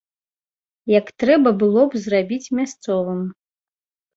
Як трэба было б зрабіць мясцовым.